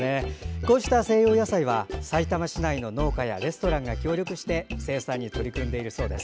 こうした西洋野菜はさいたま市内の農家やレストランが協力して生産に取り組んでいるそうです。